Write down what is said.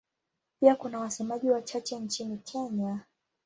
Pia kuna wasemaji wachache nchini Kenya.